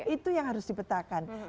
itu yang harus dibetakan